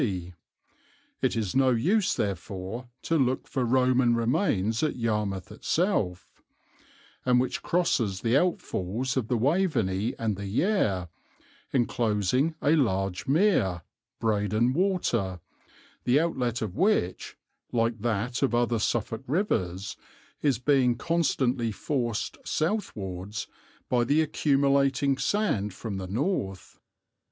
D." it is no use therefore to look for Roman remains at Yarmouth itself "and which crosses the outfalls of the Waveney and the Yare, enclosing a large mere Breydon Water the outlet of which, like that of other Suffolk rivers, is being constantly forced southwards by the accumulating sand from the north."